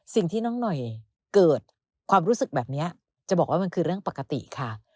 สิ่งที่น้องหน่อยเกิดความรู้สึกแบบนี้จะบอกว่ามันคือเรื่องปกติค่ะ